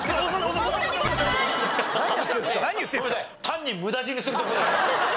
単に無駄死にするとこでした。